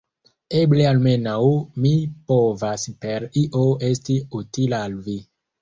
Eble almenaŭ mi povas per io esti utila al vi.